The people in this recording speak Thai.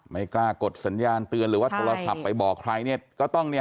ไม่กล้ากดสัญญาณเตือนหรือว่าโทรศัพท์ไปบอกใครเนี่ยก็ต้องเนี่ย